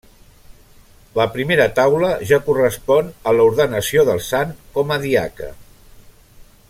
La primera taula ja correspon a l'ordenació del sant com a diaca.